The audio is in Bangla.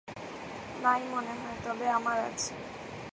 নাই মনে হয়, তবে আমার আছে।